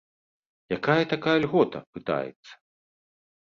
Якая такая льгота, пытаецца?